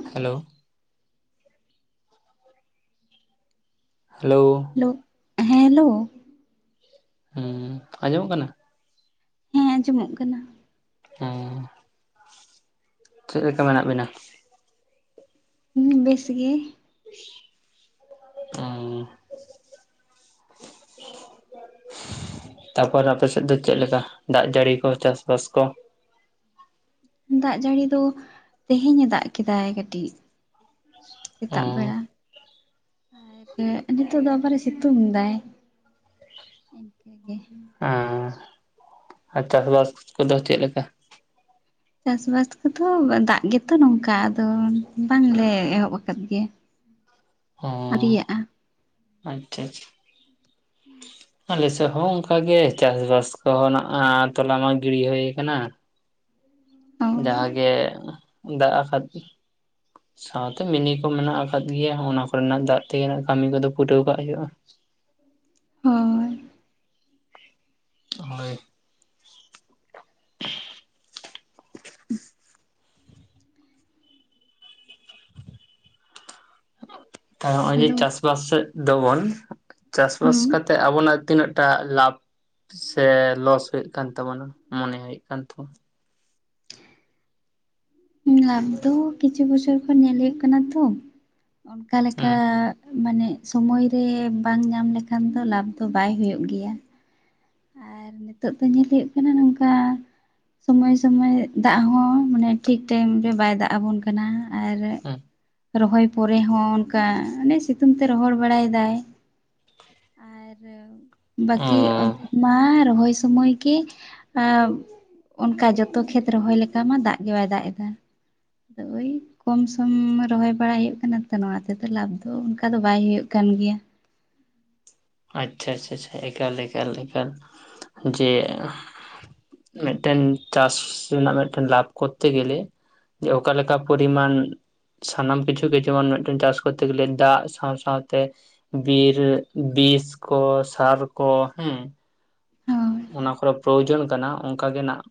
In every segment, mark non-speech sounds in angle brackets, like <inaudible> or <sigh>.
Hello hello hello ᱦᱮᱸ hello. ᱦᱮᱸ ᱟᱸᱡᱚᱢᱚᱜ ᱠᱟᱱᱟ? ᱦᱮᱸ ᱟᱸᱡᱚᱢᱚᱜ ᱠᱟᱱᱟ ᱾ ᱦᱮᱸ ᱪᱮᱫ ᱞᱮᱠᱟ ᱢᱮᱱᱟᱜ ᱵᱤᱱᱟ? ᱦᱮᱸ ᱵᱮᱥ ᱜᱮ ᱾ ᱚᱸᱻ ᱛᱟᱯᱚᱨᱮ ᱟᱯᱮ ᱥᱮᱫ ᱫᱚ ᱪᱮᱫ ᱞᱮᱠᱟ ᱫᱟᱜ ᱡᱟᱹᱲᱤ ᱠᱚ ᱪᱟᱥ-ᱵᱟᱥ ᱠᱚ? ᱫᱟᱜ ᱡᱟᱹᱲᱤ ᱫᱚ ᱛᱮᱦᱮᱧ ᱮ ᱫᱟᱜ ᱠᱮᱫᱟᱭ ᱠᱟᱹᱴᱤᱡ ᱾ ᱥᱮᱛᱟᱜ ᱦᱩᱸ ᱵᱮᱲᱟ ᱱᱤᱛᱚᱜ ᱫᱚ ᱟᱵᱟᱨᱮ ᱥᱤᱛᱩᱝ ᱮᱫᱟᱭ ᱤᱱᱠᱮ ᱜᱮ ᱾ ᱟᱸ ᱟᱨ ᱪᱟᱥ-ᱵᱟᱥ ᱠᱚᱫᱚ ᱪᱮᱫ ᱞᱮᱠᱟ? ᱪᱟᱥ-ᱵᱟᱥ ᱠᱚᱫᱚ ᱫᱟᱜ ᱜᱮᱛᱚ ᱱᱚᱝᱠᱟ ᱟᱫᱚ ᱵᱟᱝᱞᱮ ᱮᱦᱚᱵ ᱟᱠᱟᱫ ᱜᱮᱭᱟ ᱾ <inaudible> ᱟᱹᱣᱨᱤ ᱦᱩᱸ ᱭᱟᱜ-ᱟ ᱾ ᱟᱪᱪᱷᱟ ᱟᱪᱪᱷᱟ ᱾ ᱟᱞᱮᱥᱮᱫ ᱦᱚᱸ ᱚᱱᱠᱟᱜᱮ ᱪᱟᱥ-ᱵᱟᱥ ᱠᱚᱦᱚᱸᱱᱟ ᱛᱚᱞᱟ ᱢᱟ ᱜᱤᱲᱤ ᱦᱩᱭ ᱟᱠᱟᱱᱟ ᱾ ᱚ ᱡᱟᱦᱟᱸ ᱜᱮ ᱫᱟᱜ ᱟᱠᱟᱫ ᱥᱟᱶᱛᱮ ᱢᱤᱱᱤ ᱠᱚ ᱢᱮᱱᱟᱜ ᱟᱠᱟᱫ ᱜᱮᱭᱟ ᱚᱱᱟ ᱠᱚᱨᱮᱱᱟᱜ ᱫᱟᱜ ᱛᱮᱜᱮ ᱠᱟᱹᱢᱤ ᱠᱚᱫᱚ ᱯᱩᱴᱟᱹᱣ ᱠᱟᱜ ᱦᱩᱭᱩᱜ-ᱟ ᱾ ᱦᱳᱭ ᱾ ᱦᱳᱭ ᱾ ᱛᱟ ᱱᱚᱜ-ᱚᱭ ᱡᱮ ᱦᱮᱞᱳ ᱪᱟᱥ ᱪᱟᱥ-ᱵᱟᱥ ᱥᱮᱫ ᱫᱚᱵᱚᱱ ᱪᱟᱥ ᱵᱟᱥ ᱦᱩᱸ ᱠᱟᱛᱮᱫ ᱟᱵᱚᱱᱟᱜ ᱛᱤᱱᱟᱹᱜ ᱴᱟᱜ ᱞᱟᱵᱷ ᱥᱮ ᱞᱚᱥ ᱦᱩᱭᱩᱜ ᱠᱟᱱ ᱛᱟᱵᱚᱱᱟ ᱢᱚᱱᱮ ᱦᱩᱭᱩᱜ ᱠᱟᱱ ᱛᱟᱵᱚᱱᱟ ᱾ ᱞᱟᱵᱷ ᱫᱚ ᱠᱤᱪᱷᱩ ᱵᱚᱪᱷᱚᱨ ᱠᱷᱚᱱ ᱧᱮᱞ ᱦᱩᱭᱩᱜ ᱠᱟᱱᱟ ᱛᱚ ᱚᱱᱠᱟ ᱞᱮᱠᱟ ᱦᱩᱸ ᱢᱟᱱᱮ ᱥᱚᱢᱚᱭ ᱨᱮ ᱵᱟᱝ ᱧᱟᱢ ᱞᱮᱠᱷᱟᱱ ᱫᱚ ᱞᱟᱵᱷ ᱫᱚ ᱵᱟᱭ ᱦᱩᱭᱩᱜ ᱜᱮᱭᱟ ᱾ ᱟᱨ ᱱᱤᱛᱚᱜ ᱫᱚ ᱧᱮᱞ ᱦᱩᱭᱩᱜ ᱠᱟᱱᱟ ᱱᱚᱝᱠᱟ ᱥᱚᱢᱚᱭ ᱥᱚᱢᱚᱭ ᱫᱟᱜ ᱦᱚᱸ ᱢᱟᱱᱮ ᱴᱷᱤᱠ ᱴᱟᱭᱤᱢ ᱨᱮ ᱵᱟᱭ ᱫᱟᱜ ᱟᱵᱚᱱ ᱠᱟᱱ ᱠᱟᱱᱟ ᱟᱨ ᱦᱩᱸ ᱨᱚᱦᱚᱭ ᱯᱚᱨᱮ ᱦᱚᱸ ᱚᱱᱠᱟ ᱚᱱᱮ ᱥᱤᱛᱩᱝ ᱛᱮ ᱨᱚᱦᱚᱲ ᱵᱟᱲᱟ ᱮᱫᱟᱭ ᱾ <inaudible> ᱵᱟᱹᱠᱤ ᱚᱫᱷᱮᱠ ᱢᱟ ᱨᱚᱦᱚᱭ ᱥᱚᱢᱚᱭ ᱜᱮ ᱟ ᱚᱱᱠᱟ ᱡᱚᱛᱚ ᱠᱷᱮᱛ ᱨᱚᱦᱚᱭ ᱞᱮᱠᱟ ᱢᱟ ᱫᱟᱜ ᱜᱮ ᱵᱟᱭ ᱫᱟᱜ ᱮᱫᱟ ᱟᱫᱚ ᱳᱭ ᱠᱚᱢ ᱥᱚᱢ ᱨᱚᱦᱚᱭ ᱵᱟᱲᱟᱭ ᱦᱩᱭᱩᱜ ᱠᱟᱱᱟ ᱛᱚ ᱱᱚᱣᱟ ᱛᱮᱫᱚ ᱞᱟᱵᱷ ᱫᱚ ᱚᱱᱠᱟ ᱫᱚ ᱵᱟᱭ ᱦᱩᱭᱩᱜ ᱠᱟᱱ ᱜᱮᱭᱟ ᱾ ᱟᱪᱪᱷᱟ ᱟᱪᱪᱷᱟ ᱪᱷᱟ ᱮᱠᱟᱞ ᱮᱠᱟᱞ ᱮᱠᱟᱞ ᱡᱮ ᱢᱤᱫᱴᱮᱱ ᱪᱟᱥ ᱨᱮᱱᱟᱜ ᱢᱤᱫᱴᱮᱱ ᱞᱟᱵᱷ ᱠᱚᱨᱛᱮ ᱜᱮᱞᱮ ᱡᱮ ᱚᱠᱟ ᱞᱮᱠᱟ ᱯᱚᱨᱤᱢᱟᱱ ᱥᱟᱱᱟᱢ ᱠᱤᱪᱷᱩ ᱜᱮ ᱡᱮᱢᱚᱱ ᱢᱤᱫᱴᱮᱱ ᱪᱟᱥ ᱠᱚᱨᱛᱮ ᱜᱮᱞᱮ ᱫᱟᱜ ᱥᱟᱶ ᱥᱟᱶᱛᱮ ᱵᱤᱨ ᱵᱤᱥ ᱠᱚ ᱥᱟᱨ ᱠᱚ ᱦᱮᱸ ᱦᱳᱭ ᱚᱱᱟ ᱠᱚᱨᱮ ᱯᱨᱚᱭᱳᱡᱚᱱ ᱠᱟᱱᱟ ᱚᱱᱠᱟ ᱜᱮ ᱱᱟᱜ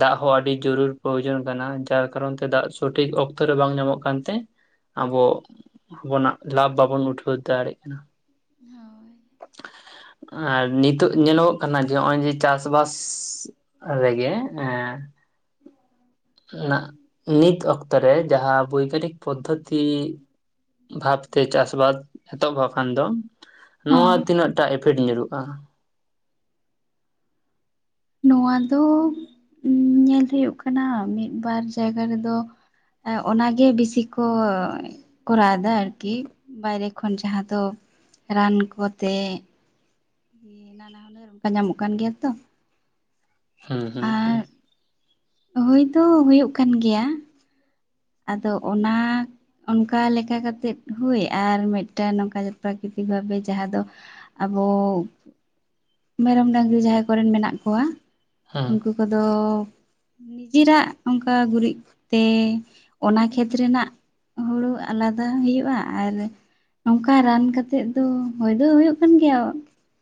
ᱫᱟᱜ ᱦᱚᱸ ᱟᱹᱰᱤ ᱡᱟᱹᱨᱩᱲ ᱯᱨᱚᱭᱳᱡᱚᱱ ᱠᱟᱱᱟ ᱡᱟᱨ ᱠᱟᱨᱚᱱ ᱛᱮ ᱫᱟᱜ ᱥᱚᱴᱷᱤᱠ ᱚᱠᱛᱚ ᱨᱮ ᱵᱟᱝ ᱧᱟᱢᱚᱜ ᱠᱟᱱᱛᱮ ᱟᱵᱚ ᱟᱵᱚᱱᱟᱜ ᱞᱟᱵᱷ ᱵᱟᱵᱚᱱ ᱩᱴᱷᱟᱹᱣ ᱫᱟᱲᱮᱭᱟᱜ ᱠᱟᱱᱟ ᱾ ᱦᱳᱭ ᱟᱨ ᱱᱤᱛᱚᱜ ᱧᱮᱞᱚᱜᱚᱜ ᱠᱟᱱᱟ ᱡᱮ ᱱᱚᱜᱼᱚᱭ ᱡᱮ ᱪᱟᱥ ᱵᱟᱥ ᱨᱮᱜᱮ ᱮ ᱱᱟᱜᱼᱼ ᱱᱤᱛ ᱚᱠᱛᱚ ᱨᱮ ᱡᱟᱦᱟᱸ ᱵᱳᱭᱜᱟᱱᱤᱠ ᱯᱚᱫᱽᱫᱷᱚᱛᱤᱼᱼ ᱵᱷᱟᱵᱛᱮ ᱪᱟᱥ ᱵᱟᱫ ᱮᱛᱚᱦᱚᱵ ᱠᱷᱟᱱ ᱫᱚ ᱱᱚᱣᱟ ᱦᱚᱸ ᱛᱤᱱᱟᱹᱜᱴᱟ ᱤᱯᱷᱮᱠᱴ ᱧᱩᱨᱦᱩᱜᱼᱟ? ᱱᱚᱣᱟ ᱫᱚ ᱧᱮᱞ ᱦᱩᱭᱩᱜ ᱠᱟᱱᱟ ᱢᱤᱫᱵᱟᱨ ᱡᱟᱭᱜᱟ ᱨᱮᱫᱚᱼᱼ ᱚᱱᱟᱜᱮ ᱵᱤᱥᱤ ᱠᱚᱼᱼ ᱠᱚᱨᱟᱣ ᱮᱫᱟ ᱟᱨᱠᱤ ᱵᱟᱭᱨᱮ ᱠᱷᱚᱱ ᱡᱟᱦᱟᱸ ᱫᱚ ᱨᱟᱱ ᱠᱚᱛᱮᱼᱼ ᱱᱟᱱᱟ ᱦᱩᱱᱟᱹᱨ ᱚᱱᱠᱟ ᱧᱟᱢᱚᱜ ᱠᱟᱱ ᱜᱮᱭᱟ ᱛᱚ ᱦᱮᱸ ᱦᱮᱸ ᱟᱨ ᱦᱮᱸ, ᱦᱩᱭ ᱫᱚ ᱦᱩᱭᱩᱜ ᱠᱟᱱ ᱜᱮᱭᱟ᱾ ᱟᱫᱚ ᱚᱱᱟᱼᱼ ᱚᱱᱠᱟ ᱞᱮᱠᱟ ᱠᱟᱛᱮᱫ ᱦᱳᱭ ᱟᱨ ᱢᱤᱫᱴᱟᱱ ᱱᱚᱝᱠᱟ ᱯᱨᱟᱠᱨᱤᱤᱛᱤᱠ ᱵᱷᱟᱵᱮ ᱡᱟᱦᱟᱸ ᱫᱚᱼᱼ ᱟᱵᱚ ᱢᱮᱨᱚᱢ ᱰᱟᱹᱝᱨᱤ ᱡᱟᱦᱟᱸᱦᱟᱭ ᱠᱚᱨᱮᱱ ᱢᱮᱱᱟᱜ ᱠᱚᱣᱟ ᱦᱩᱸ ᱩᱱᱠᱩ ᱠᱚᱫᱚ ᱱᱤᱡᱮᱨᱟᱜ ᱚᱱᱠᱟ ᱜᱩᱨᱤᱡ ᱛᱮ ᱚᱱᱟ ᱠᱷᱮᱛ ᱨᱮᱱᱟᱜ ᱦᱩᱲᱩ ᱟᱞᱟᱫᱟ ᱦᱩᱭᱩᱜᱼᱟ ᱟᱨᱼᱼ ᱚᱝᱠᱟ ᱨᱟᱱ ᱠᱟᱛᱮᱫ ᱫᱚ ᱦᱚᱭ ᱫᱚ ᱦᱩᱭᱩᱜ ᱠᱟᱱ ᱜᱮᱭᱟ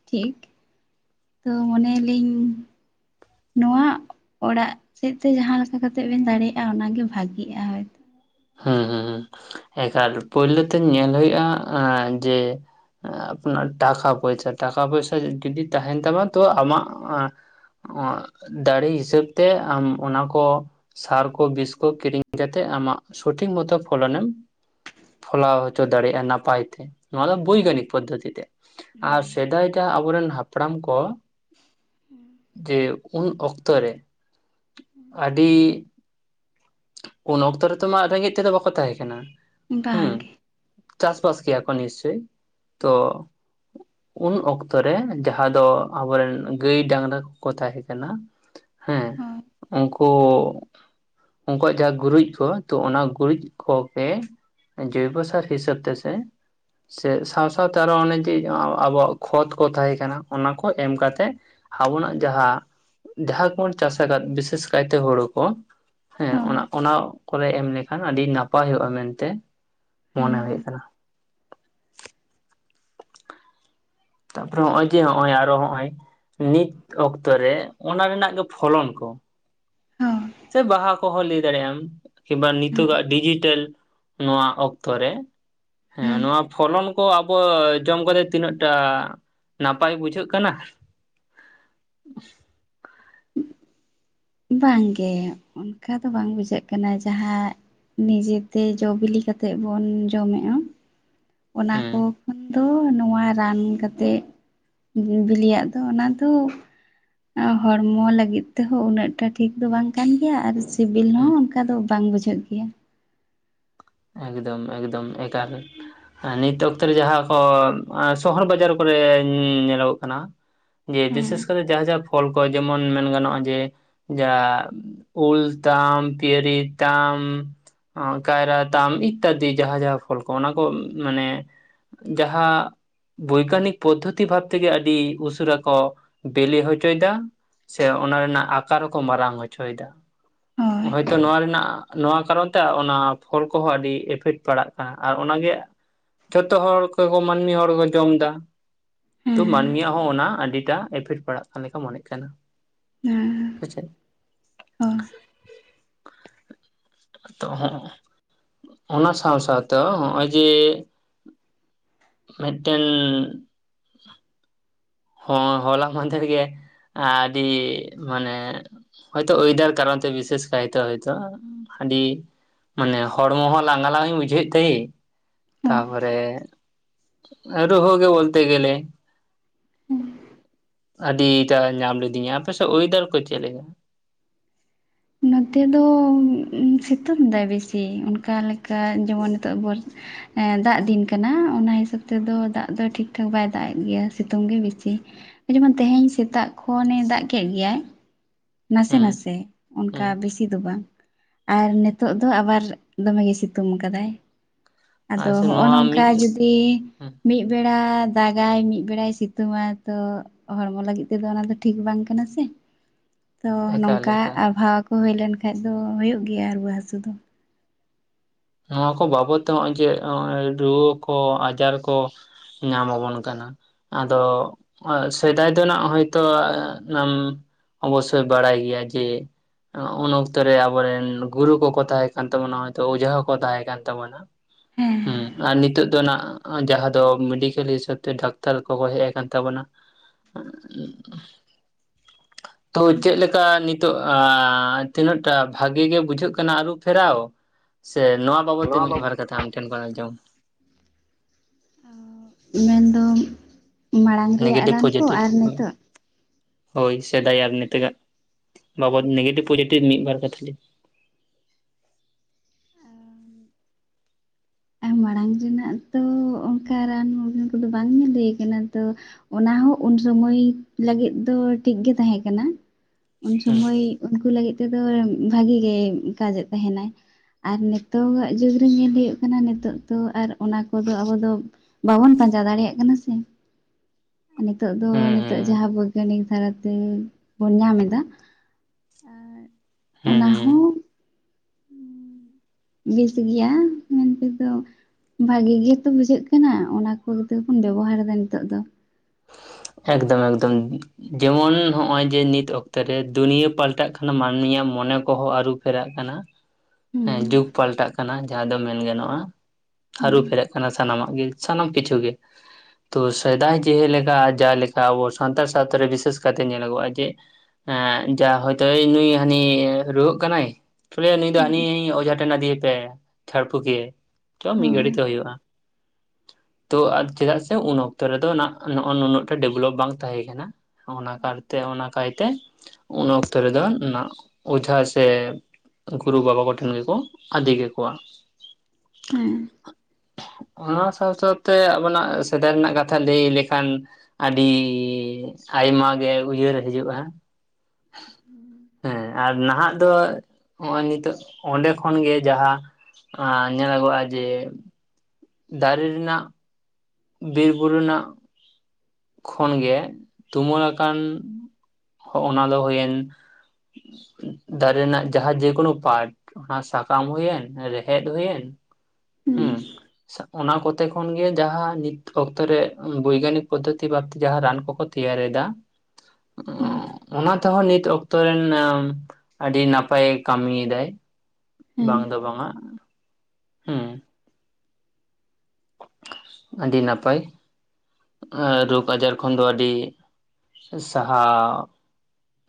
ᱴᱷᱤᱠ ᱛᱚ ᱢᱚᱱᱭᱮᱤᱧ ᱱᱚᱣᱟ ᱚᱲᱟᱜ ᱥᱮᱫ ᱛᱮ ᱡᱟᱦᱟᱸ ᱞᱮᱠᱟ ᱠᱟᱛᱮ ᱵᱮᱱ ᱫᱟᱲᱮᱭᱟᱜᱼᱟ ᱚᱱᱟᱜᱮ ᱵᱷᱟᱜᱤᱜᱼᱟ ᱦᱳᱭ ᱦᱮᱸ ᱦᱩᱸ ᱮᱠᱷᱞ ᱯᱳᱭᱞᱳ ᱛᱮ ᱧᱮᱞ ᱦᱩᱭᱩᱜᱼᱟ ᱡᱮᱼᱼ ᱟᱯᱱᱟᱨ ᱴᱟᱠᱟ ᱯᱚᱭᱥᱟ ᱴᱟᱠᱟ ᱯᱚᱭᱥᱟ ᱡᱚᱫᱤ ᱛᱟᱦᱮᱱ ᱛᱟᱢᱟ ᱛᱚ ᱟᱢᱟᱜᱼᱼ ᱫᱟᱲᱮ ᱦᱤᱥᱟᱹᱵ ᱛᱮ ᱟᱢ ᱚᱱᱟ ᱠᱚ ᱥᱟᱨ ᱠᱩ ᱵᱤᱥ ᱠᱚ ᱠᱤᱨᱤᱧ ᱠᱟᱛᱮᱫ ᱟᱢᱟᱜ ᱥᱚᱴᱷᱤᱠ ᱢᱚᱛᱚ ᱯᱷᱚᱞᱚ‌ ᱱᱮᱢ ᱯᱷᱚᱞᱟᱣ ᱦᱚᱪᱚ ᱫᱟᱲᱮᱭᱟᱜᱼᱟ ᱱᱟᱯᱟᱭ ᱛᱮ ᱱᱚᱣᱟ ᱫᱚ ᱵᱳᱭᱜᱟᱱᱤᱠ ᱯᱚᱫᱫᱽᱫᱷᱚᱼᱛᱤ ᱛᱮ᱾ ᱟᱨ ᱥᱮᱫᱟᱭ ᱫᱟ ᱟᱵᱚᱨᱮᱱ ᱦᱟᱯᱲᱟᱢ ᱠᱚ ᱡᱮ ᱩᱱ ᱚᱠᱛᱚ ᱨᱮ ᱟᱹᱰᱤ ᱩᱱ ᱚᱠᱛᱚ ᱨᱮᱛᱚ ᱢᱟ ᱨᱮᱸᱜᱮᱡ ᱛᱮᱼᱫᱚ ᱵᱟᱠᱚ ᱛᱟᱦᱮᱸ ᱠᱟᱱᱟ ᱦᱳᱭ ᱦᱩᱸᱼᱼ ᱵᱟᱝ ᱜᱮ ᱪᱟᱥ ᱵᱟᱥ ᱠᱮᱭᱟ ᱠᱚ ᱱᱤᱥᱪᱭ ᱛᱚ ᱩᱱ ᱚᱠᱛᱚ ᱨᱮ ᱡᱟᱦᱟᱸ ᱫᱚ ᱟᱵᱚᱨᱮᱱ ᱜᱟᱹᱭ ᱰᱟᱹᱝᱨᱟ ᱠᱚ ᱠᱚ ᱛᱟᱦᱮᱸ ᱠᱟᱱᱟ᱾ ᱦᱮᱸ ᱦᱳᱭ ᱩᱱᱠᱩ ᱩᱱᱠᱩᱣᱟᱜ ᱡᱟᱦᱟᱸ ᱜᱩᱨᱤᱡ ᱠᱚ ᱛᱚ ᱚᱱᱟ ᱜᱩᱨᱤᱡ ᱠᱚᱼᱜᱮ ᱡᱳᱭᱵᱚᱥᱟᱨ ᱦᱤᱥᱟᱹᱵ ᱛᱮ ᱥᱮᱼᱼ ᱥᱮ ᱥᱟᱶ ᱥᱟᱶ ᱛᱮ ᱟᱨᱚ ᱚᱱᱮ ᱡᱮ ᱟᱵᱚᱣᱟᱜ ᱠᱷᱚᱛ ᱠᱚ ᱛᱟᱦᱮᱸ ᱠᱟᱱᱟ ᱚᱱᱟ ᱠᱚ ᱮᱢ ᱠᱟᱛᱮᱼᱼ ᱟᱵᱚᱱᱟᱜ ᱡᱟᱦᱟᱸ ᱡᱟᱦᱟᱸ ᱠᱚᱵᱚᱱ ᱪᱟᱥ ᱟᱠᱟᱫ ᱵᱤᱥᱮᱥ ᱠᱟᱭᱛᱮ ᱦᱳᱲᱳ ᱠᱚᱼᱼ ᱦᱮᱸ ᱚᱱᱟ ᱦᱳᱭ ᱚᱱᱟ ᱠᱚᱨᱮ ᱮᱢ ᱞᱮᱠᱷᱟᱱ ᱟᱹᱰᱤ ᱱᱟᱯᱟᱭ ᱚᱜᱼᱟ ᱢᱮᱱᱛᱮ ᱦᱮᱸ ᱢᱚᱱᱮ ᱦᱩᱭᱩᱜ ᱠᱟᱱᱟ᱾ ᱛᱟᱯᱚᱼᱨᱮ ᱱᱚᱜᱼᱚᱭ ᱡᱮ ᱱᱚᱜᱼᱚᱭ ᱟᱨᱚ ᱦᱚᱸᱜᱼᱚᱭ ᱱᱤᱛ ᱚᱠᱛᱚ ᱨᱮ ᱚᱱᱟ ᱨᱮᱱᱟᱜ ᱜᱮ ᱯᱷᱚᱞᱚᱱ ᱠᱚ᱾ ᱦᱚᱸ ᱥᱮ ᱵᱟᱦᱟ ᱠᱚᱼᱦᱚᱸ ᱞᱟᱹᱭ ᱫᱟᱲᱮᱭᱟᱜ ᱟᱢ ᱠᱤᱱᱵᱟ ᱱᱤᱛᱚᱜ ᱟᱜ ᱰᱤᱡᱤᱴᱮᱞ ᱱᱚᱣᱟ ᱚᱠᱛᱚ ᱨᱮ᱾ ᱦᱮᱸ ᱱᱚᱣᱟ ᱯᱷᱚᱞᱚᱱ ᱠᱚ ᱟᱵᱚ ᱡᱚᱢ ᱠᱟᱛᱮ ᱛᱤᱱᱟᱹᱜ ᱴᱟᱼᱼ ᱱᱟᱯᱟᱭ ᱵᱩᱡᱷᱟᱹᱜ ᱠᱟᱱᱟ? ᱵᱟᱝᱼᱜᱮ ᱚᱱᱠᱟ ᱫᱚ ᱵᱟᱝ ᱵᱩᱡᱷᱟᱹᱜ ᱠᱟᱱᱟ ᱡᱟᱦᱟᱸᱼᱼ ᱱᱤᱡᱮ ᱛᱮ ᱡᱚ ᱵᱤᱞᱤ ᱠᱟᱛᱮᱜ ᱵᱚᱱ ᱡᱚᱢᱮᱜᱼᱟ ᱚᱱᱟ ᱦᱮᱸ ᱠᱚ ᱠᱷᱚᱱ ᱫᱚ ᱱᱚᱣᱟ ᱨᱟᱱ ᱠᱟᱛᱮᱫ ᱵᱤᱞᱤᱭᱟᱜ ᱫᱚ ᱚᱱᱟ ᱫᱚ ᱦᱚᱲᱢᱚ ᱞᱟᱹᱜᱤᱫ ᱛᱮᱦᱚᱸ ᱩᱱᱟᱹᱜᱼᱼ ᱜᱚᱴᱟ ᱴᱷᱤᱠ ᱫᱚ ᱵᱟᱝ ᱠᱟᱱ ᱜᱮᱭᱟ ᱟᱨ ᱥᱤᱵᱤᱞ ᱦᱮᱸ ᱦᱚᱸ ᱚᱱᱠᱟ ᱫᱚ ᱵᱟᱝ ᱵᱩᱡᱷᱟᱹᱜ ᱜᱮᱭᱟ᱾ ᱮᱠᱫᱚᱢ ᱮᱠᱫᱚᱢ ᱮᱠᱟᱞ, ᱱᱤᱛ ᱚᱠᱛᱚ ᱨᱮ, ᱡᱟᱦᱟᱸ ᱠᱚ, ᱥᱚᱦᱚᱨ ᱵᱟᱡᱟᱨ ᱠᱚᱨᱮ, ᱧᱮᱞᱚᱜᱚᱜ ᱠᱟᱱᱟ ᱡᱮ, ᱵᱤᱥᱮᱥ ᱦᱮᱸ ᱠᱚᱨᱮ, ᱡᱟᱦᱟᱸ ᱡᱟᱦᱟᱸ, ᱯᱷᱚᱞ ᱠᱚ, ᱡᱮᱢᱚᱱ ᱢᱮᱱ ᱜᱟᱱᱚᱜᱼᱟ, ᱡᱮ ᱡᱟᱦᱟᱸ ᱩᱞ ᱛᱟᱢ, ᱯᱤᱭᱟᱹᱨᱤ ᱛᱟᱢ, ᱩᱸᱻ ᱠᱟᱭᱨᱟ ᱛᱟᱢ, ᱤᱛᱛᱟᱫᱤ ᱡᱟᱦᱟᱸ, ᱡᱟᱦᱟᱸ ᱯᱷᱚᱞ ᱠᱚ, ᱚᱱᱟ ᱠᱚ ᱢᱟᱱᱮ, ᱡᱟᱦᱟᱸ ᱵᱳᱭᱜᱟᱱᱤᱠ ᱯᱚᱫᱽᱫᱷᱚᱛᱤ ᱵᱷᱟᱵᱽ ᱛᱮ ᱜᱮ, ᱟᱹᱰᱤ ᱩᱥᱟᱹᱨᱟ ᱠᱚ, ᱵᱮᱞᱮ ᱦᱚᱪᱚᱭ ᱮᱫᱟ ᱾ ᱪᱮ, ᱚᱱᱟ ᱨᱮᱱᱟᱜ ᱟᱠᱟᱨ ᱦᱚᱸ ᱠᱚ, ᱢᱟᱨᱟᱝ ᱦᱚᱪᱚᱭ ᱮᱫᱟ ᱾ ᱦᱳᱭ ᱦᱚᱭ ᱛᱚ, ᱱᱚᱣᱟ ᱨᱮᱱᱟᱜ, ᱱᱚᱣᱟ ᱠᱟᱨᱚᱱ ᱛᱮ, ᱚᱱᱟ ᱦᱚᱲ ᱠᱚᱦᱚᱸ, ᱟᱹᱰᱤ ᱮᱯᱷᱮᱠᱴ ᱯᱟᱲᱟᱜ ᱠᱟᱱᱟ, ᱟᱨ ᱚᱱᱟ ᱜᱮ ᱡᱚᱛᱚ ᱦᱚᱲ ᱠᱚ, ᱢᱟᱹᱱᱢᱤ ᱦᱚᱲ ᱠᱚ, ᱡᱚᱢ ᱮᱫᱟ ᱾ ᱛᱚ, ᱦᱮᱸ ᱢᱟᱹᱱᱢᱤᱭᱟᱜ ᱦᱚᱸ, ᱚᱱᱟ ᱟᱹᱰᱤᱴᱟᱜ ᱮᱯᱷᱮᱠᱴ ᱯᱟᱲᱟᱜ ᱠᱟᱱ ᱞᱮᱠᱟ, ᱢᱚᱱᱮᱜ ᱠᱟᱱᱟ ᱾ ᱦᱮᱸᱻ ᱾ ᱦᱮᱸ ᱪᱮ? <unintelligible> ᱛᱚ ᱚᱱᱟ ᱥᱟᱶ ᱥᱟᱶ ᱛᱮ, ᱱᱚᱜᱼ ᱚᱭ ᱡᱮ ᱢᱮᱫᱴᱮᱱ ᱦᱚᱸ, ᱦᱚᱞᱟ ᱢᱟᱫᱷᱮᱨ ᱜᱮ, ᱟᱹᱰᱤ, ᱢᱟᱱᱮ ᱦᱚᱭ ᱛᱚ, ᱳᱭᱰᱟᱨ ᱠᱟᱨᱚᱱ ᱛᱮ, ᱵᱤᱥᱮᱥ ᱠᱟᱭᱛᱮ, ᱦᱚᱭ ᱛᱚ, ᱟᱸᱰᱤ ᱢᱟᱱᱮ, ᱦᱚᱲᱢᱚ ᱦᱚᱸ, ᱞᱟᱝᱜᱟ ᱞᱟᱝ ᱤᱧ, ᱵᱩᱡᱷᱟᱹᱣᱮᱫ ᱛᱮᱭ ᱛᱟ ᱦᱮᱸ ᱯᱚᱨᱮ, ᱟᱨᱩᱦᱦᱚ ᱜᱮ, ᱵᱚᱞᱛᱮ ᱜᱮᱞᱮ ᱩᱸᱼᱷᱩᱸᱼᱦ ᱾ ᱟᱹᱰᱤ, ᱮᱴᱟ ᱧᱟᱢ ᱞᱤᱫᱤᱧᱟ, ᱟᱯᱮ ᱥᱮᱫ, ᱩᱭᱫᱟᱨ ᱠᱚ ᱪᱮᱫ ᱞᱮᱫᱟ? ᱱᱚᱛᱮ ᱫᱚ, ᱥᱤᱛᱩᱝ ᱮᱫᱟᱭ ᱵᱮᱥᱤ, ᱚᱱᱠᱟ ᱞᱮᱠᱟ, ᱡᱮᱢᱚᱱ, ᱱᱤᱛᱚᱜ ᱵᱚᱨ ᱫᱟᱜ ᱫᱤᱱ ᱠᱟᱱᱟ, ᱚᱱᱟ ᱦᱤᱥᱟᱹᱵ ᱛᱮᱫᱚ, ᱫᱟᱜ ᱫᱚ, ᱴᱷᱤᱠ ᱴᱷᱟᱠ, ᱵᱟᱭ ᱫᱟᱜ ᱮᱫ ᱜᱮᱭᱟ, ᱥᱤᱛᱩᱝ ᱜᱮ ᱵᱮᱥᱤ ᱾ ᱡᱮᱢᱚᱱ, ᱛᱮᱦᱮᱧ ᱥᱮᱛᱟᱜ ᱠᱷᱚᱱᱮ, ᱫᱟᱜ ᱠᱮᱫ ᱜᱮᱭᱟᱭ ᱱᱟᱥᱮ ᱦᱩᱸ ᱱᱟᱥᱮ, ᱚᱱᱠᱟ ᱦᱩᱸ ᱵᱮᱥᱤ ᱫᱚ, ᱵᱟᱝ ᱾ ᱟᱨ, ᱱᱤᱛᱚᱜ ᱫᱚ, ᱟᱵᱟᱨ ᱫᱚᱢᱜᱮᱭ, ᱥᱤᱛᱩᱝ ᱟᱠᱟᱫᱟᱭ ᱾ ᱟᱫᱚ, ᱟᱞᱮ ᱥᱮᱫ ᱦᱚᱜᱼᱚᱭ ᱱᱚᱣᱟ ᱱᱚᱝᱠᱟ ᱢᱤᱫ ᱡᱩᱫᱤ? ᱢᱤᱫ ᱵᱮᱲᱟ ᱫᱟᱜᱟᱭ, ᱢᱤᱫ ᱵᱮᱲᱟᱭ ᱥᱤᱛᱩᱝᱟᱭ, ᱛᱚ ᱦᱚᱲᱢᱚ ᱞᱟᱹᱜᱤᱫ ᱛᱮᱫᱚ, ᱚᱱᱟ ᱫᱚ ᱴᱷᱤᱠ ᱵᱟᱝ ᱠᱟᱱᱟ ᱥᱮ ᱾ ᱛᱚ, ᱮᱠᱟᱞ ᱱᱚᱝᱠᱟ ᱮᱠᱟᱞ ᱟᱵᱚᱦᱟᱣᱟ ᱠᱚ, ᱦᱩᱭ ᱞᱮᱱ ᱠᱷᱟᱱᱡ ᱫᱚ, ᱦᱩᱭᱩᱜ ᱜᱮᱭᱟ ᱨᱩᱣᱟᱹ ᱦᱟᱹᱥᱩ ᱫᱚ ᱾ ᱱᱚᱣᱟ ᱠᱚ, ᱵᱟᱵᱚᱫ ᱛᱮ, ᱱᱚᱜᱼᱚᱭ ᱡᱮ, ᱨᱩᱣᱟᱹ ᱠᱚ, ᱟᱡᱟᱨ ᱠᱚ, ᱧᱟᱢ ᱟᱵᱚᱱ ᱠᱟᱱᱟ ᱾ ᱟᱫᱚ, ᱚᱼᱜ ᱥᱮᱫᱟᱭ ᱫᱚ ᱦᱟᱸᱜ, ᱦᱳᱭ ᱛᱳ, ᱦᱢ ᱚᱵᱚᱥᱥᱳ, ᱵᱟᱲᱟᱭ ᱜᱮᱭᱟ, ᱡᱮ ᱩᱱ ᱚᱠᱛᱚ ᱨᱮ, ᱟᱵᱚᱨᱮᱱ, ᱜᱩᱨᱩ ᱠᱚᱠᱚ ᱛᱟᱦᱮᱸ ᱠᱟᱱ ᱛᱟᱵᱚᱱᱟ ᱛᱚ, ᱚᱡᱷᱟ ᱠᱚ, ᱛᱮᱦᱮᱸ ᱠᱟᱱ ᱛᱟᱵᱚᱱᱟ ᱾ ᱦᱮᱸ, ᱟᱨ ᱱᱤᱛᱚᱜ ᱫᱚ ᱱᱟᱜ, ᱡᱟᱦᱟᱸ ᱫᱚ ᱢᱮᱰᱤᱠᱮᱞ ᱦᱤᱥᱟᱹᱵ ᱛᱮ, ᱰᱟᱠᱛᱟᱨ ᱠᱚᱠᱚ, ᱦᱮᱡ ᱟᱠᱟᱱ ᱛᱟᱵᱚᱱᱟ ᱾ <inaudible> <unintelligible> ᱛᱚ, ᱪᱮᱫᱮ ᱞᱮᱠᱟ ᱱᱤᱛᱚᱜ, ᱛᱤᱱᱟᱹᱜ ᱴᱟᱜ, ᱵᱷᱟᱜᱤ ᱜᱮ ᱵᱩᱡᱷᱟᱹᱜ ᱠᱟᱱᱟ, ᱟᱹᱨᱩ ᱯᱷᱮᱨᱟᱣ ᱾ ᱥᱮ, ᱱᱚᱣᱟ ᱵᱟᱵᱚᱛ ᱛᱮ, ᱢᱤᱫ ᱱᱚᱣᱟ ᱫᱚ ᱵᱟᱨ ᱠᱟᱛᱷᱟ ᱟᱢᱴᱷᱮᱱ ᱠᱷᱚᱱ, ᱟᱸᱡᱚᱢ ᱢᱮᱱ ᱫᱚ, ᱢᱟᱲᱟᱝ ᱨᱮᱭᱟᱜ ᱱᱮᱜᱮᱴᱤᱵᱷ ᱨᱟᱱ ᱠᱚ, ᱯᱚᱡᱮᱴᱤᱵᱷ ᱟᱨ ᱱᱤᱛᱳᱜ ᱦᱳᱭ, ᱥᱮᱫᱟᱭ ᱟᱨ ᱱᱤᱛᱚᱜᱟᱜ, ᱵᱟᱵᱚᱫ ᱱᱮᱜᱮᱴᱤᱵᱽ, ᱯᱚᱡᱮᱴᱤᱵᱷ ᱢᱤᱫ ᱵᱟᱨ ᱠᱟᱛᱷᱟ ᱾ ᱟᱸᱼ ᱢ ᱢᱟᱲᱟᱝ ᱨᱮᱱᱟᱜ ᱛᱚ, ᱚᱱᱠᱟ ᱨᱟᱱ ᱢᱩᱨᱜᱟᱹᱱ ᱠᱚᱫᱚ, ᱵᱟᱝ ᱧᱮᱞ ᱦᱩᱭ ᱟᱠᱟᱱᱟ ᱛᱚ, ᱚᱱᱟᱦᱚ, ᱩᱱᱥᱚᱢᱚᱭ ᱞᱟᱹᱜᱤᱫ ᱫᱚ, ᱴᱷᱤᱠ ᱜᱮ ᱛᱟᱦᱮᱸ ᱠᱟᱱᱟ, ᱩᱱ ᱦᱮᱸ ᱥᱚᱢᱚᱭ ᱩᱱᱠᱩ ᱞᱟᱹᱜᱤᱫ ᱛᱮᱫᱚ, ᱵᱷᱟᱜᱤ ᱜᱮ ᱠᱟᱡᱼᱮᱫ ᱛᱟᱦᱮᱱᱟᱭ ᱾ ᱟᱨ ᱱᱤᱛᱚᱜᱟᱜ ᱡᱩᱜᱽ ᱨᱮ ᱧᱮᱞ ᱦᱩᱭᱩᱜ ᱠᱟᱱᱟ ᱱᱤᱛᱳ ᱫᱚ ᱟᱨ ᱚᱱᱟ ᱠᱚᱫᱚ ᱟᱵᱚ ᱫᱚ ᱵᱟᱵᱚᱱ ᱯᱟᱸᱡᱟ ᱫᱟᱲᱮᱭᱟᱜ ᱠᱟᱱᱟ ᱥᱮ ᱱᱤᱛᱚᱜ ᱫᱚ ᱦᱮᱸ ᱱᱤᱛᱚᱜ ᱦᱮᱸ ᱡᱟᱦᱟᱸ ᱵᱳᱭᱜᱟᱱᱤᱠ ᱫᱟᱨᱟᱭ ᱛᱮᱵᱚᱱ ᱧᱟᱢ ᱮᱫᱟ <inaudible> ᱚᱱᱟ ᱦᱮᱸ ᱦᱚᱸ ᱵᱮᱥ ᱜᱮᱭᱟ ᱢᱮᱱᱛᱮᱫᱚ ᱵᱷᱟᱜᱨ ᱜᱮᱛᱚ ᱵᱩᱡᱷᱟᱹᱜ ᱠᱟᱱᱟ ᱚᱱᱟ ᱠᱚ ᱛᱮ ᱵᱚᱱ ᱵᱮᱵᱚᱦᱟᱨ ᱮᱫᱟ ᱱᱤᱛᱚᱜ ᱫᱚ ᱮᱠᱫᱚᱢ ᱮᱠᱫᱚᱢ ᱡᱮᱢᱚᱱ ᱱᱚᱜᱼᱚᱭ ᱡᱮ ᱱᱤᱛ ᱚᱠᱛᱚ ᱨᱮ ᱫᱩᱱᱭᱟᱹ ᱯᱟᱞᱴᱟᱜ ᱠᱟᱱᱼᱟ ᱢᱟᱹᱱᱢᱤᱭᱟᱜ ᱢᱚᱱᱮ ᱠᱚᱸᱦᱚ ᱟᱨᱩ ᱯᱷᱮᱨᱟᱜ ᱠᱟᱱᱟ ᱦᱮᱸ ᱡᱩᱜᱽ ᱯᱟᱞᱴᱟᱜ ᱠᱟᱱᱟ ᱡᱟᱸᱦᱟ ᱫᱚ ᱢᱮᱱ ᱜᱟᱱᱚᱜᱼᱟ ᱟᱨᱩ ᱦᱳᱭ ᱯᱷᱮᱨᱟᱜ ᱠᱟᱱᱟ ᱥᱟᱱᱟᱢᱟᱜ ᱜᱮ ᱥᱟᱱᱟᱢ ᱠᱤᱪᱷᱩ ᱜᱮ ᱛᱚ ᱥᱮᱫᱟᱭ ᱡᱮᱞᱮᱠᱟ ᱡᱟᱸᱦᱟ ᱞᱮᱠᱟ ᱟᱵᱚ ᱥᱟᱱᱛᱟᱲ ᱥᱟᱶᱛᱟ ᱨᱮ ᱵᱤᱥᱮᱥ ᱠᱟᱭᱛᱮ ᱧᱮᱞᱚᱜᱚᱜᱼᱟ ᱡᱮ ᱮᱸ ᱡᱟ ᱦᱚᱭᱛᱳ ᱱᱩᱭ ᱦᱟᱹᱱᱤ ᱨᱩᱣᱟᱹᱜ ᱠᱟᱱᱟᱭ ᱛᱚ ᱱᱩᱭ ᱫᱚ ᱦᱟᱹᱱᱤ ᱚᱡᱷᱟ ᱴᱷᱮᱱ ᱟᱫᱤᱭᱮᱯᱮ ᱡᱷᱟᱲ ᱯᱷᱩᱠ ᱮᱭᱟᱭ ᱛᱚ ᱢᱤᱫ ᱜᱷᱟᱹᱲᱤ ᱛᱮ ᱦᱩᱭᱩᱜᱼᱟ ᱛᱚ ᱪᱮᱫᱟᱜ ᱥᱮ ᱩᱱ ᱚᱠᱛᱚ ᱨᱮᱫᱚᱜ ᱱᱟᱜᱱᱩᱱᱟᱹᱜ ᱴᱟ ᱰᱮᱵᱽᱞᱚᱯ ᱵᱟᱝ ᱛᱟᱸᱦᱮ ᱠᱟᱱᱟ ᱚᱱᱟ ᱠᱟᱨᱛᱮ ᱚᱱᱟ ᱠᱟᱭᱛᱮ ᱩᱱ ᱚᱠᱛᱚ ᱨᱮᱫᱚ ᱚᱡᱷᱟ ᱥᱮ ᱜᱩᱨᱩ ᱵᱟᱵᱟ ᱠᱚᱴᱷᱮᱱ ᱜᱮᱠᱚ ᱟᱫᱤ ᱠᱮᱠᱚᱣᱟ ᱦᱮᱻ ᱚᱱᱟ ᱥᱟᱶ ᱥᱟᱶᱛᱮ ᱟᱵᱚᱱᱟᱜ ᱥᱮᱫᱟᱭ ᱨᱮᱱᱟᱜ ᱠᱟᱛᱷᱟ ᱞᱟᱹᱭ ᱞᱮᱠᱷᱟᱱ ᱟᱹᱰᱤ ᱟᱭᱢᱟ ᱜᱮ ᱩᱭᱦᱟᱹᱨ ᱦᱤᱡᱩᱜᱼᱟ ᱦᱮᱸ ᱟᱨ ᱱᱟᱦᱟᱜ ᱫᱚ ᱦᱚᱸᱜᱚᱭ ᱱᱤᱛᱚᱜ ᱚᱸᱰᱮ ᱠᱷᱚᱱ ᱜᱮ ᱡᱟᱸᱦᱟ ᱧᱮᱞᱚᱜᱚᱜᱼᱟ ᱡᱮ ᱫᱟᱨᱮ ᱨᱮᱱᱟᱜ ᱵᱤᱨ ᱵᱩᱨᱩ ᱨᱮᱱᱟᱜ ᱠᱷᱚᱱ ᱜᱮ ᱛᱩᱢᱟᱹ ᱟᱠᱟᱱ ᱦᱚᱸᱜ ᱫᱚ ᱦᱩᱭᱮᱱᱟ ᱫᱟᱨᱮ ᱨᱮᱱᱟᱜ ᱡᱟᱸᱦᱟ ᱡᱮᱼᱠᱳᱱᱳ ᱯᱟᱴ ᱚᱱᱟ ᱥᱟᱠᱟᱢ ᱦᱩᱭᱮᱱ ᱨᱮᱦᱮᱫ ᱦᱩᱭᱮᱱ ᱦᱩᱸ ᱚᱱᱟ ᱠᱚᱛᱮ ᱠᱷᱚᱱᱜᱮ ᱡᱟᱦᱟᱸ ᱱᱤᱛ ᱚᱠᱛᱚ ᱠᱷᱚᱱ ᱜᱮ ᱵᱳᱭᱜᱟᱱᱤᱠ ᱯᱚᱫᱫᱷᱚᱛᱤᱵᱟᱫᱽ ᱛᱮ ᱡᱟᱸᱦᱟ ᱨᱟᱱ ᱠᱚᱠᱚ ᱛᱮᱭᱟᱨ ᱮᱫᱟ ᱦᱮᱸ ᱚᱱᱟ ᱛᱮᱸᱦᱚ ᱱᱤᱛ ᱚᱠ <unintelligible> ᱨᱮᱱ ᱟᱹᱰᱤ ᱱᱟᱯᱟᱭ ᱠᱟᱹᱢᱤ ᱫᱟᱭ ᱦᱮᱸ ᱵᱟᱝ ᱫᱚ ᱵᱟᱝᱟ᱾ ᱦᱩᱸ ᱟᱹᱰᱤ ᱱᱟᱯᱟᱭ ᱨᱳᱜᱽ ᱟᱡᱟᱨ ᱠᱷᱚᱱ ᱫᱚ ᱟᱹᱰᱤ ᱥᱟᱦᱟᱣ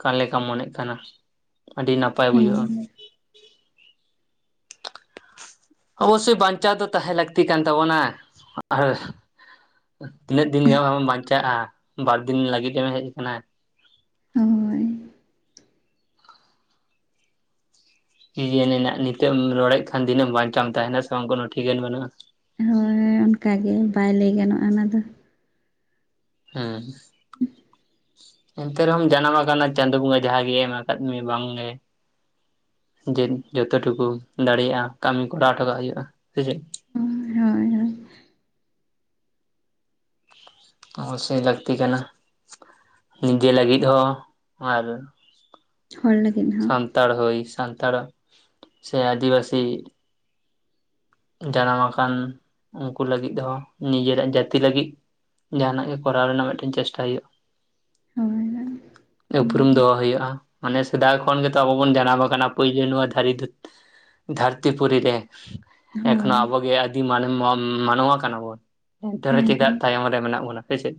ᱠᱟᱱ ᱞᱮᱠᱟᱢ ᱢᱚᱱᱮᱜ ᱠᱟᱱᱟ ᱟᱹᱰᱤ ᱱᱟᱯᱟᱭ ᱵᱩᱡᱷᱟᱹᱜᱼᱟ᱾ ᱦᱮᱸ ᱚᱵᱚᱥᱥᱳᱭ ᱵᱟᱧᱪᱟᱣ ᱫᱚ ᱛᱟᱦᱮᱸ ᱞᱟᱹᱠᱛᱤ ᱠᱟᱱ ᱛᱟᱵᱚᱱᱟ᱾ <unintelligible> ᱛᱤᱱᱟᱹᱜ ᱫᱤᱱ ᱜᱮ ᱟᱢ ᱵᱟᱧᱪᱟᱜᱼᱟ ᱵᱟᱨᱫᱤᱱ ᱞᱟᱹᱜᱤᱫ ᱮᱢ ᱦᱮᱡ ᱟᱠᱟᱱᱟ᱾ ᱚᱻᱻ ᱠᱤ ᱡᱟᱱᱤ ᱱᱟᱜ ᱱᱤᱛᱚᱜ ᱮᱢ ᱨᱚᱲᱮᱫ ᱠᱷᱟᱱ ᱫᱷᱤᱱᱟᱹᱝ ᱵᱟᱧᱪᱟᱢ ᱮᱢ ᱛᱟᱸᱦᱮᱱᱟ ᱥᱮ ᱵᱟᱝ ᱠᱳᱱᱳ ᱴᱷᱤᱠᱟᱹᱱ ᱵᱟᱹᱱᱩᱜᱼᱟ᱾ ᱦᱳᱭ ᱚᱱᱠᱟᱜᱮ ᱵᱟᱭ ᱞᱟᱹᱭ ᱜᱟᱱᱚᱜᱼᱟ ᱚᱱᱟ ᱫᱚ ᱦᱩᱸ᱾ <unintelligible> ᱮᱱᱛᱮ ᱨᱮᱦᱚᱢ ᱡᱟᱱᱟᱢ ᱟᱠᱟᱱᱟ ᱪᱟᱸᱫᱳ ᱵᱚᱸᱜᱟ ᱡᱟᱸᱦᱟ ᱜᱮ ᱮᱢ ᱟᱠᱟᱫ ᱢᱮᱭᱟ ᱵᱟᱝ ᱜᱮ ᱡᱮ ᱡᱚᱛᱚ ᱴᱩᱠᱩ ᱫᱟᱲᱮᱭᱟᱜᱼᱟ ᱠᱟᱹᱢᱤ ᱠᱚᱨᱟᱣ ᱦᱚᱴᱚ ᱠᱟᱜ ᱦᱩᱭᱩᱜᱼᱟ ᱥᱮ ᱪᱮᱫ᱾ ᱦᱳᱭ ᱦᱳᱭ᱾ ᱚᱵᱚᱥᱥᱳᱭ ᱞᱟᱹᱠᱛᱤ ᱠᱟᱱᱟ᱾ ᱱᱤᱡᱮ ᱞᱟᱹᱜᱤᱫ ᱦᱚᱸ ᱟᱨ ᱦᱚᱲ ᱞᱟᱹᱜᱤᱫ ᱦᱚᱸ᱾ ᱥᱟᱱᱛᱟᱲ ᱦᱩᱭ, ᱥᱟᱱᱛᱟᱲ ᱥᱮ ᱟᱹᱫᱤᱵᱟᱹᱥᱤ᱾ ᱡᱟᱱᱟᱢ ᱟᱠᱟᱱ ᱩᱱᱠᱩ ᱞᱟᱹᱜᱤᱫ ᱦᱚᱸ ᱱᱤᱡᱮᱨᱟᱜ ᱡᱟᱹᱛᱤ ᱞᱟᱹᱜᱤᱫ᱾ ᱡᱟᱸᱦᱱᱟᱜ ᱜᱮ ᱠᱚᱨᱟᱣ ᱨᱮᱱᱟᱜ ᱢᱤᱫᱴᱮᱱ ᱪᱮᱥᱴᱟ ᱦᱩᱭᱩᱜᱼᱟ᱾ ᱦᱳᱭ ᱦᱳᱭ ᱩᱯᱨᱩᱢ ᱫᱚᱦᱚ ᱦᱩᱭᱩᱜᱼᱟ, ᱢᱟᱱᱮ ᱥᱮᱫᱟᱭ ᱠᱷᱚᱱ ᱜᱮᱛᱚ ᱟᱵᱚ ᱵᱚᱱ ᱡᱟᱱᱟᱢ ᱟᱠᱟᱱᱟ ᱯᱳᱭᱞᱳ ᱱᱚᱣᱟ <inaudible> ᱫᱷᱟᱹᱨᱛᱤ ᱯᱩᱨᱤ ᱨᱮ, ᱮᱠᱷᱚᱱᱳ ᱦᱳᱭ ᱟᱵᱚ ᱜᱮ ᱟᱹᱫᱤ ᱢᱟᱱ ᱢᱟᱱᱣᱟ ᱠᱟᱱᱟ ᱵᱚᱱ᱾ ᱮᱱᱛᱮ ᱨᱮᱸᱦᱚ ᱦᱮᱸ ᱪᱮᱫᱟᱜ ᱦᱮᱸ ᱛᱟᱭᱚᱢ ᱨᱮ ᱢᱮᱱᱟᱜ ᱵᱚᱱᱟ ᱥᱮ ᱪᱮᱫ,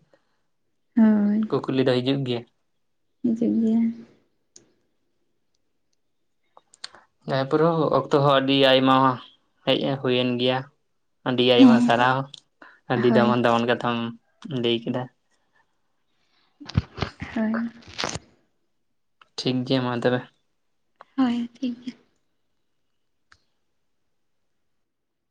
ᱦᱳᱭ ᱠᱩᱠᱞᱤ ᱫᱚ ᱦᱤᱡᱩᱜ ᱜᱮᱭᱟ᱾ ᱦᱤᱡᱩᱜ ᱜᱮᱭᱟ᱾ <unintelligible> ᱚᱠᱛᱚ ᱦᱚᱸ ᱟᱹᱰᱤ ᱟᱭᱢᱟ ᱦᱮᱡ ᱦᱩᱭᱮᱱ ᱜᱮᱭᱟ᱾ ᱟᱹᱰᱤ ᱟᱭᱢᱟ ᱦᱮᱸ ᱥᱟᱨᱦᱟᱣ᱾ ᱟᱹᱰᱤ ᱦᱳᱭ ᱫᱟᱢᱟᱱ ᱫᱟᱢᱟᱱ ᱠᱟᱛᱷᱟᱢ ᱞᱟᱹᱭ ᱠᱮᱫᱟ᱾ ᱦᱳᱭ᱾ ᱴᱷᱤᱠ ᱜᱮᱭᱟ ᱢᱟ ᱛᱚᱵᱮ᱾ ᱦᱳᱭ ᱴᱷᱤᱠ ᱜᱮᱭᱟ᱾